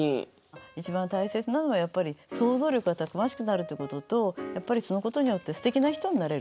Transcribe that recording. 一番大切なのはやっぱり想像力がたくましくなるということとやっぱりそのことによってすてきな人になれる。